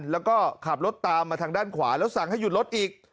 แล้วก็ขับรถตามมาทางด้านขวาแล้วสั่งให้หยุดรถอีก